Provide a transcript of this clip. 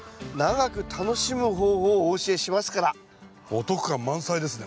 お得感満載ですね